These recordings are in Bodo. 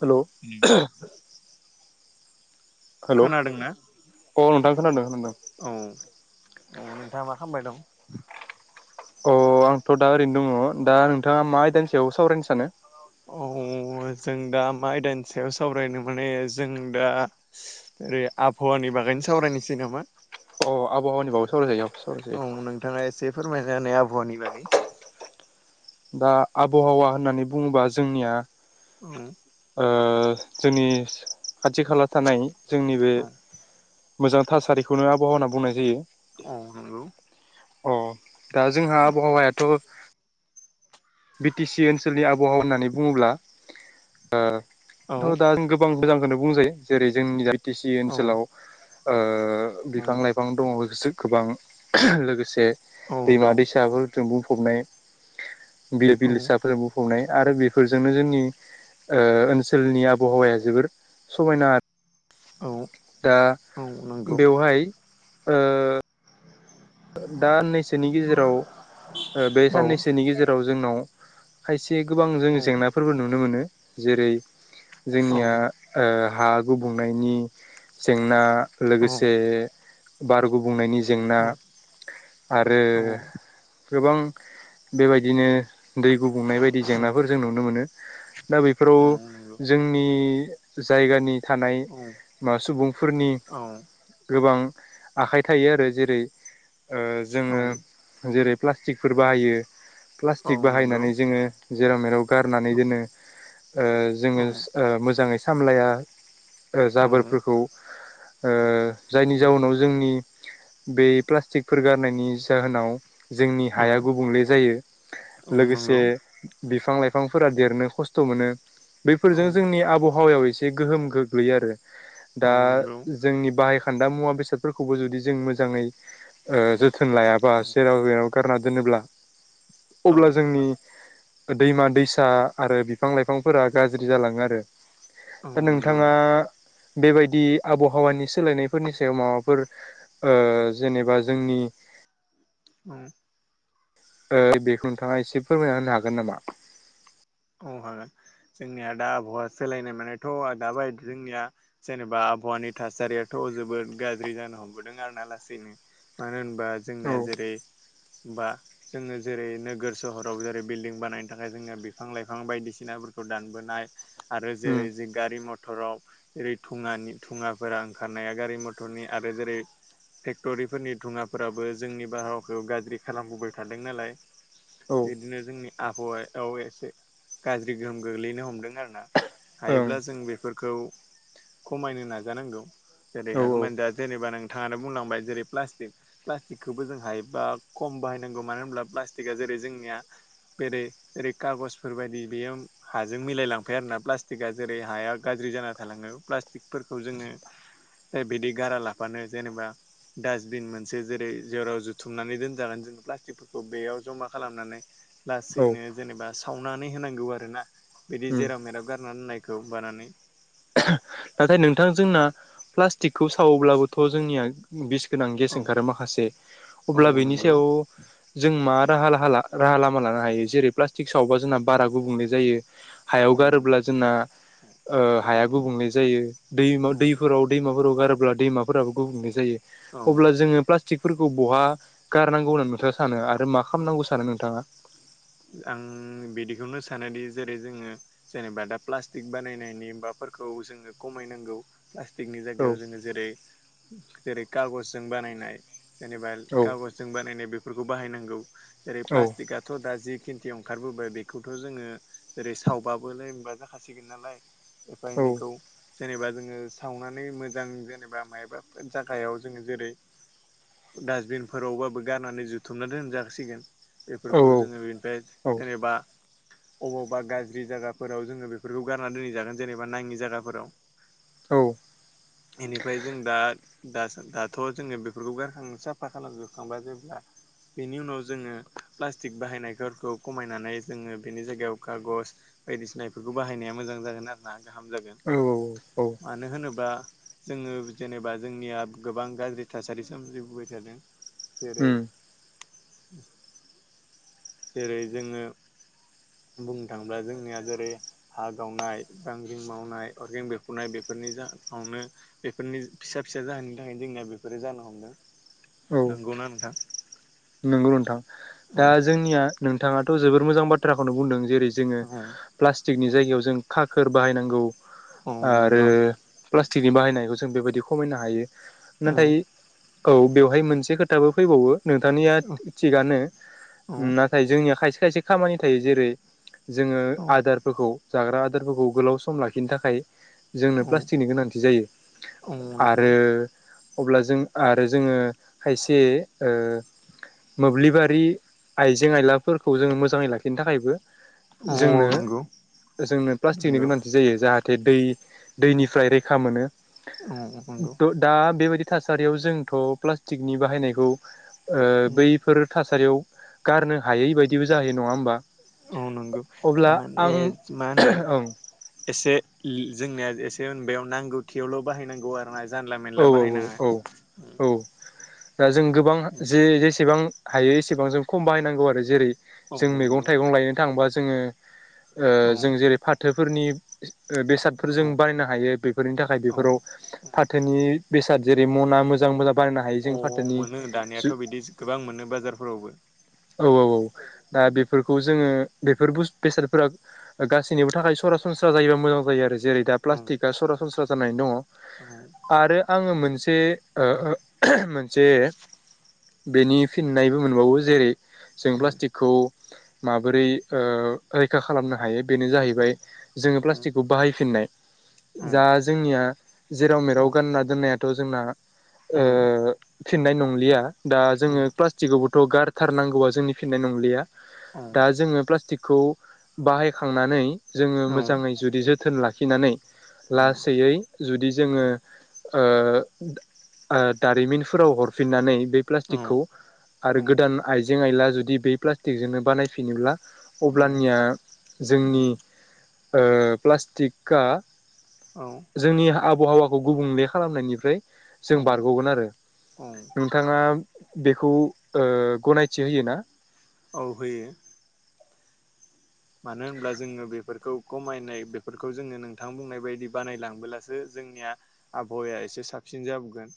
हेलौ खोनादोंना अ नोंथां खोनादों खोनादों औ औ नोंथाङा मा खामबाय दं अ आंथ' दा ओरैनो दङ दा नोंथाङा मा आयदानि सायाव सावरायनो सानो औ जों दा मा आयदानि सायाव सावरायनो माने जों दा ओरै आबहावानि बागैनो सावरायनोसै नामा अ आबहावानि बावै सावराय जायो औ सावरायजायो औ नोंथाङा एसे फोरमायना होनाय आबहावानि बागै दा आबहावा होननानै बुङोबा जोंनिया। औ ओ जोंनि खाथि खाला थानाय जोंनि बे औ मोजां थासारिखौनो आबहावा होना बुंनाय जायो। औ नंगौ अ दा जोंहा आबहावायाथ' बि टि सि ओनसोलनि आबहावा होननानै बुङोब्ला ओ औ थ दा गोबां मोजांखौनो बुंजायो जेरै जोंनि आइ टि सि औ ओनसोलाव ओ ओ औ बिफां लाइफां दङ गोबां लोगोसे औ दैमा दं दैसाफोरजों बुं फबनाय बिलो औ बिलोसाफोरजों बुंफबनाय आरो बेफोरजोंनो जोंनि ओ ओनसोलनि आबहावाया जोबोर समायना औ दा औ नंगौ बेवहाय ओ दा नैसोनि गेजेराव बे औ साननैसोनि गेजेराव जोंनाव खायसे गोबां जों औ जेंनाफोरबो नुनो मोनो जेरै औ जोंनिया ओ हा गुबुंनायनि जेंना औ लोगोसे बार गुबुंनायनि जेंना आरो औ गोबां बेबायदिनो दै गुबुंनाय बायदि जेंनाफोर जों नुनो मोनो दा बेफोराव नंगौ जोंनि जायगानि औ थानाया सुबुंफोरनि औ गोबां आखाइ थायो आरो जेरै जोङो औ जेरै प्लास्टिकफोर बाहायो औ प्लास्टिक नंगौ बाहायनानै जोङो जेराव मेराव गारनानै औ दोनो ओ जोङो ओ मोजाङै सामलाया ओ जाबोरफोरखौ ओ जायनि औ जाउनाव जोंनि बे प्लास्टिक फोर गारनायनि जाहोनाव जोंनि औ हाया गुबुंले जायो औ लोगोसे नंगौ बिफां लाइफांफोरा देरनो खस्थ' मोनो औ बैफोरजों जोंनि आबहावायाव ए एसे गोहोम गोग्लैयो आरो दा औ नंगौ जोंनि बाहाय खान्दा मुवा बेसादफोरखौबो जुदि जों मोजाङै जोथोन लायाबा औ जेराव मेराव राव गारना दोनोब्ला औ अब्ला जोंनि दैमा दैसा आरो बिफां लाइफांफोरा गाज्रि जालाङो आरो औ दा नंगौ नोंथाङा बेबायदि आबहावानि सोलायनायफोरनि सायाव माबाफोर जेनेबा जोंनि [inaudible] ओ बेखौ नोंथाङा एसे फोरमायना होनो हागोन नामा? औ हागोन जोंनिया दा आबहावा सोलायनाय मानायथ' दाबाय जोंनिया जेनेबा आबहावानि थासारियाथ' जोबोद गाज्रि जानो हमबोदों आरो ना लासैनो मानो होन बा जोंनिया औ जेरै बा जोङो जेरै नोगोर सहराव जेरै बिल्डिं बानायनो थाखाय जोङो बे बिफां लाइफां बायदिसिनाफोरखौ दानबोनाय आरो उम जेरै जों गारि मथर मथराव जेरै धुङानि धुङाफोरा ओंखारनाया गारि मथरनि आरो जेरै फेक्टरिफोरनि धुङाफोराबो जोंनि बारहावखौ गाज्रि खालामबोबाय थादों नालाय औ बिदिनो जोंनि आबहावायाव एसे गाज्रि गोहोम गोग्लैनो हमदों आरोना ओं हायोब्ला जों बेफोरखौ खमायनो नाजानांगौ औ जेरै औ हागौमोन दा जेनेबा नों थांनानै बुंलांबाय जेरै प्लास्टिक प्लास्टिकखौबो जों हायोबा खम बाहायनांगौ मानो होनोब्ला प्लास्टिकआ जेरै जोंनिया बेरे जेरै खागस बेफोरबायदि बेयो हाजों मिलायलांफाया आरोना प्लास्टिकआ जेरै हाया गाज्रि जाना थालाङो प्लास्टिकफोर खौ जोङो दा बिदि गारा लाबानो जेनेबा डासबिन मोनसे जेरै जेराव जुथुमनानै दोनजागोन जोङो प्लास्टिकफोरखौ बेयाव जमा खालामनानै औ लासैनो जेनेबा सावनानै होनांगौ आरो ना बिदि उम जेराव मेराव गार मोननायखौ बानानै नाथाय नोंथां जोंना प्लास्टिकखौ सावोब्लाबोथ' जोंनिया गोनां गेस औ ओंखारो माखासे औ अब्ला बेनि नंगौ सायाव जों मा राहा राहा लामा लानो हायो जेरै प्लास्टिक सावबा जोंना बारा गुबुंले जायो हायाव औ गारोब्ला जोंना औ हाया गुबुंले जायो दैम औ दैफोराव दै [unintelligible] गारोब्ला दैमा फोराबो गुबुंले जायो औ अब्ला जोङो फ्लास्तिक फोरखौ बहा गारनांगौ होननानै नोंथाङा सानो आरो मा खालामनांगौ सानो नोंथाङा? आं बिदिखौनो सानोदि जेरै जोङो जेनेबा दा प्लास्टिक बानायनायनि बा फोर जोङ खमायनांगौ पिकनिक औ जायगायाव जोङो जेरै जेरै खागजजों बानायनाय जेनेबा औ कागजजों बानायनाय बेफोरखौ बाहायनांगौ जेरै औ प्लास्टिकआथ' दा जि खिन्थि ओंखारबोबाय बेखौथ' जोङो जेरै सावबाबलाय मोना जाखासिगोन नालाय एफा औ एनैखौ जेनेबा जोङो सावनानै मोजां जेनेबा मायबाफोर जागायाव जोङो जेरै डासबिनफोरावबाबो गारनानै जुथुमनानै दोनजासिगोन औ बेफोरखौ जोङो बेनिफ्राय औ जेनेबा अबावबा गाज्रि जायगाफोराव जोङो बेफोरखौ गारना दोनहै जागोन जेनेबा नाङि जायगाफोराव [inaudible] बेनिफ्राय जों दा दा दाथ' जोङो बेफोरखौ गारखाङो साफा खालामजोबखांब्ला जेब्ला बेनि उनाव जोङो प्लास्टिक बाहायनायखौ खौ खमायनानै जोङो बेनि जायगायाव खागस बायदिसिना बेफोरखौ बाहायनाया मोजां जागोन आरो ना। गाहाम जागोन औ औ मानो होनोबा जोङो जेनेबा जोंनिया गोबां गाज्रि थासारि सोमजिबोबाय थादों। जेरै उम जेरै जोङो बुंनो थाङोब्ला जोंनिया जेरै हा गावनाय बांग्रिं मावनाय अर्गें बेरफ्रुनाय बेफोर बेफोरनि जाावनो बेफोरनि फिसा फिसा जाहोननि थाखायनो जोंनिया बेफोरो जानो हमदों। औ नंगौना नोंथां। नंगौ नोंथां दा जोंनिया नोंथाङाथ' जबोद मोजां बाथ्राखौनो बुंदों जेरै जोङो औ प्लाटिकनि जायगायाव जों खाखोर बाहायनांगौ आरो नंगौ प्लास्टिकनि बाहायनायखौ जों बेबायदि खमायनो हायो औ नाथाय औ बेवहाय मोनसे खोथाबो फैबावो नोंथांनिया औ थिगनो औ नाथाय जोंनिया खायसे खायसे खामानि थायो जेरै जोङो आदारफोरखौ जाग्रा आदारफोरखौ गोलाव सम लाखिनो थाखाय जोंनो औ प्लास्टिकनि गोनांथि जायो नंगौ आरो अब्ला जों आरो जोङो खायसे ओ मोब्लिबारि आइजें आयलाफोरखौ जोङो मोजाङै लाखिनो थाखायबो औ जोंनो नंगौ जोंनो प्लास्टिकनि नंगौ गोनांथि जायो जाहाथे जे दै दैनिफ्राय रैखा मोनो औ नंगौ द दा बेबायदि थासारियाव जोंथ' फ्लासथिगनि बाहायनायखौ ओ बैफोर थासा थारियाव गारनो हायै बायदिबो जाहैयो नङा होमबा। औ नंगौ अब्ला थारमाने आं मा होनो ओं एसे दि जोंनिया एसे होन बेयाव नांगौ थियावल' बाहायनांगौ आरो ना। औ औ औ औ औ दा जों गोबां जे जेसेबां हायो एसेबां जों खम बाहायनांगौ आरो जेरै औ जों मैगं नंगौ थाइगं लायनो थांबा जोङो औ ओ जों जेरै फाथोफोरनि बेसादफोरजों औ बायनो हायो बेफोरनि थाखाय औ बेफोराव फा नि बेसाद जेरै मना मोजां मोजां बारनो हायो औ जों फाथोनि मोनो दानियाथ' जु बिदि गोबां मोनो बाजारफोरावबो औ औ औ दा बेफोरखौ जोङो बेफोर बेसादफोरा गासैनिबो थाखाय सरासनस्रा जायोबा मोजां जायो आरो जेरै दा औ प्लास्टिकआ सरासनस्रा जानानै दङ औ आरो आङो मोनसे मोनसेओ मोनसे बेनि फिननायबो मोनबावो जेरै जों औ प्लास्टिकखौ माबोरै ओ रैखा खालामनो हायो। बेनो औ जाहैबाय जोङो प्लास्टिकखौ बाहायफिननाय बे जा औ जोंनिया जेराव मेराव गानना दोननाय थ' जोंना ओ फिननाय नंलिया दा औ जोङो प्लास्टिकआवबोथ' गार थारनांगौआ जोंनि फिननाय नंलिया औ दा जोङो प्लास्टिकखौ बाहायखांनानै जोङो औ मोजाङै जुदि जोथोन लाखिनानै लासैयै जुदि जोङो ओ ओ दारिमिनफोराव हरफिननानै बे प्लास्टिकखौ आरो गोदान आइजें आइला जुदि बे प्लास्टिक जोंनो बानायफिनोब्ला होयो अब्लानिया जोंनि ओ प्लास्टिकआ जोंनि आबहावाखौ गुबुंले खालामनायनिफ्राय जों बारग'गोन आरो नोंथाङा बेखौ ओ गनायथि होयोना? औ होयो मानो होनब्ला जोङो बेफोरखौ खमायनाय बेफोरखौ जोङो नोंथां बुंनाय बायदि बानायलांबोलासो जोंनि आबहावा एसे साबसिन जाबोगोन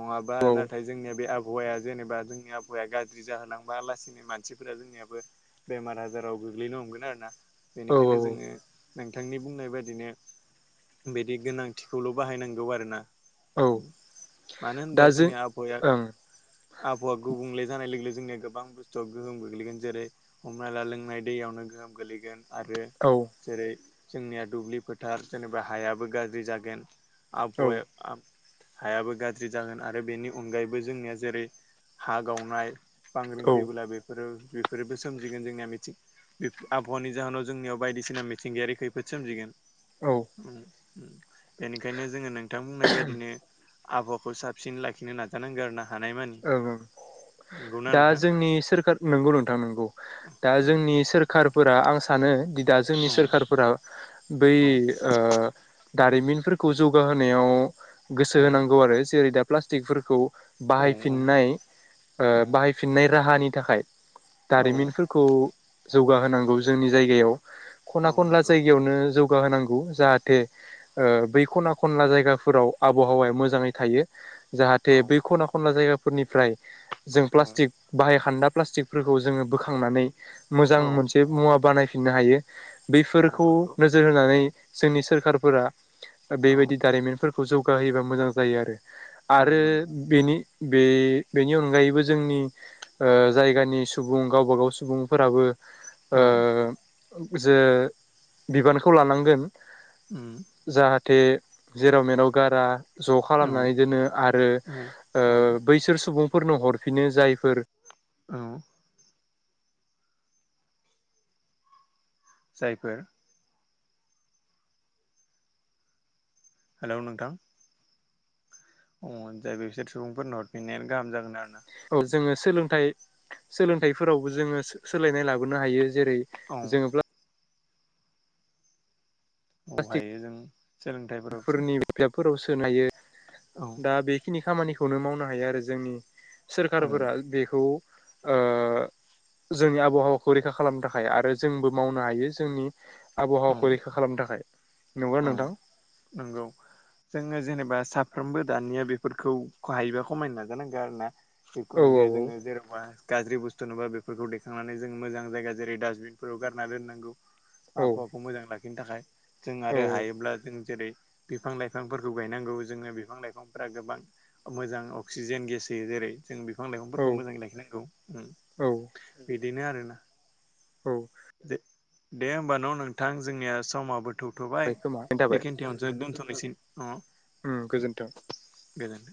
नङाबा औ नाथाय जोंनि बे आबहावाया जेनेबा जोंनि आबहावाया गाज्रि जाहोलांबा लासिनो मानसिफोरा जोंनियाबो बेमार आजाराव गोग्लैनो हमगोन। आरोना औ बेनिखायनो औ जोङो नों थांनि बुंनाय बादिनो बिदि गोनांथिखौल' बाहायनांगौ आरोना। औ [inaudible] मानो होनब्ला दा जों जोंनि आबहावाया ओं आबहावा गुबुंले जानाय लोगो लोगो जोंनिया गोबां बुस्थुव गोहोम गोग्लैगोन जेरै हमना ला लोंनाय दैयावनो गोहोम गोलैगोन आरो औ जेरै जोंनिया दुब्लि फोथार जेनेबा हायाबो गाज्रि जागोन आबहावाया औ आब हायाबो गाज्रि जागोन आरो बेनि अनगायैबो जोंनिया जेरै- हा गावनाय। बांग्रिं औ फैबोला बेफोरो बेफोरोबो सोमजिगोन जोंनिया मिथिं बे आबहावानि जाहोनाव जोंनियाव बायदिसिना मिथिंगायारि खैफोद सोमजिगोन। ओं बेनिखायनो जोङो नोंथां बुंनाय बायदिनो आबहावाखौ साबसिन लाखिनो नाजानांगोन आरो ना। हानायमानि औ-औ। नंगौना दा नोंथां जोंनि सोरखार नंगौ नोंथां नोंगौ दा जोंनि सोरखार। फोरा आं सानो दि दा जोंनि सोरखारफोरा बै ओ दारिमिनफोरखौ जौगाहोनायाव गोसो होनांगौ आरो जेरै- दा प्लास्टिकफोरखौ बाहायफिननाय ओ बाहायफिननाय राहानि थाखाय। दारिमिनफोरखौ जौगाहोनांगौ जोंनि जायगायाव। खना खनला जायगायावनो जौ जगा होनांगौ जाहाथे बै खना खनला जायगाफोराव आबहावाया मोजाङै थायो। जाहाथे बै खना खनला जायगाफोरनिफ्राय जों प्लास्टिक बाहायखोन्दा प्लास्टिकफोरखौ जोङो बोखांनानै मोजां जायफोर मोनसे मुवा बानायफिननो हायो। बेफोरखौ नोजोर होनानै जोंनि सोरखारफोरा। बेबायदि दारिमिनफोरखौ जौगाहयोबा मोजां जायो आरो आरो बेनि बे बेनि अनगायैबो जोंनि ओ जायगानि सुबुं गावबागाव सुबुंफोराबो। ओ जे बिबानखौ लानांगोन। जाहाथे जेराव मेराव गारा। ज' खालामनानै दोनो आरो ओ बैसोर सुबुंफोरनो हरफिनो जायफोर औ। जायफोर। हेलौ नोंथां। अ जाय बिसोर सुबुंफोरनो हरफिननायानो गाहाम जागोन आरो ना। औ जोङो सोलोंथाइ सोलोंथाइफोरावबो जोङो सोलायनाय लाबोनो हायो। जेरै- औ जोङोब्ला अ हायो जों। सोलोंथाइफोराव गथ'फोरनि बिजाबफोराव सोनो हायो औ दा बेखिनि खामानिख खौनो मावनो हायो आरो जोंनि औ सोरखारफोरा बेखौ ओ जोंनि आबहावाखौ रैखा खालामनो थाखाय आरो जोंबो मावनो हायो जोंनि औ आबहावाखौ रैखा खालामनो थाखाय नंगौना नोंथां? नोंगौ। जोङो जेनेबा साफ्रोमबो दानिया बेफोरखौ हायोबा खमायनो नाजानांगो आरोना। औ जिखुनु जाया जोङो जेरबा गाज्रि बुस्थु नुबा बेफोरखौ देखांनानै जोङो मोजां जायगा जेरै- डास्बिन फोराव गारना दोननांगौ। औ हवाखौ मोजां लाखिनो थाखाय जों औ आरो हायोब्ला जों जेरै- बिफां-लाइफांफोरखौ गायनांगौ जोङो बिफां-लाइफांफोरा गोबां मोजां अक्सिजेन गेस दे जेरै- जों औ बिफां-लाइफांफोरखौ मोजाङै लाखिनांगौ उम औ बिदिनो आरोना। औ। दे होमबा न' नोंथां जोंनिया समाबो थौथ'बाय औ खोमा बेखिनिथिआवनो जों दोनथ'नोसै। अ उम गोजोन्थों। गोजोनथों